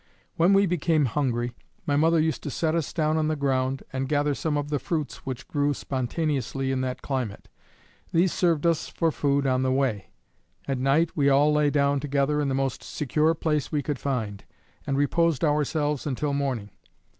When we became hungry, my mother used to set us down on the ground, and gather some of the fruits which grew spontaneously in that climate. These served us for food on the way. At night we all lay down together in the most secure place we could find, and reposed ourselves until morning.